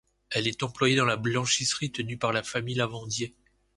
Elle est employée dans la blanchisserie tenue par la famille Lavandier.